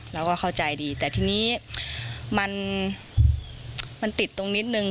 เราก็เข้าใจดีแต่ทีนี้มันติดตรงนิดนึง